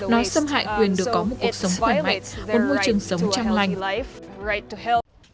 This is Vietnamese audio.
nó xâm hại quyền được có một cuộc sống hoàn mạnh một môi trường sống chăm lành